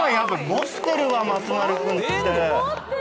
持ってるわ松丸君って。